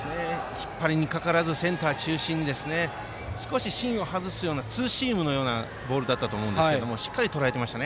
引っ張りにかからずセンターに中心に少し芯を外すようなツーシームのようなボールでしたがしっかりとらえていました。